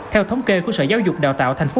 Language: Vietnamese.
theo thống kê của sở giáo dục đào tạo thành phố